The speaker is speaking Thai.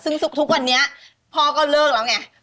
ซึ่งทุกวันนี้พ่อก็เลิกแล้วไง